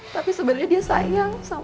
tapi sebenernya dia sayang sama kamu